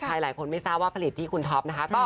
หลายคนไม่ทราบว่าผลิตที่คุณท็อปนะคะ